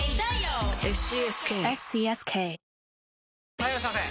・はいいらっしゃいませ！